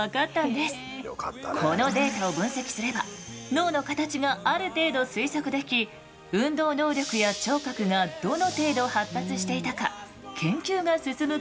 このデータを分析すれば脳の形がある程度推測でき運動能力や聴覚がどの程度発達していたか研究が進む可能性が出てきました。